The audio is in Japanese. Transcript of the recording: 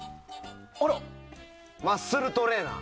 マッスルトレーナー。